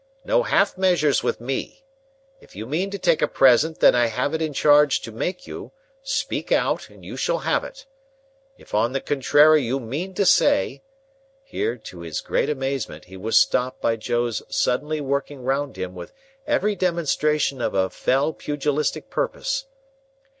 No half measures with me. If you mean to take a present that I have it in charge to make you, speak out, and you shall have it. If on the contrary you mean to say—" Here, to his great amazement, he was stopped by Joe's suddenly working round him with every demonstration of a fell pugilistic purpose.